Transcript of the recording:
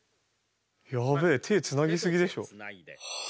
やべえ手つなぎすぎでしょ。